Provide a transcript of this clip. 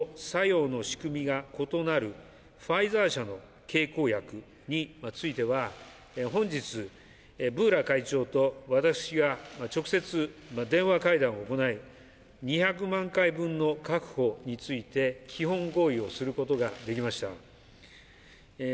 また、モルヌピラビルと作用の仕組みが異なるファイザー社の経口薬については本日、ブーラ会長と私が直接電話会談を行い、２００万回分の確保について基本合意することができました。